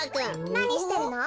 なにしてるの？